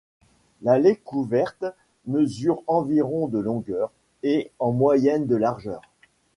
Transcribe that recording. L' allée couverte mesure environ de longueur et en moyenne de largeur.